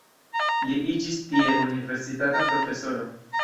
Li iĝis tie universitata profesoro.